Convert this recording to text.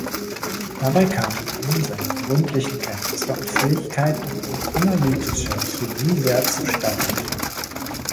Dabei kamen ihm seine gründlichen Kenntnisse und Fähigkeiten in analytischer Chemie sehr zustatten.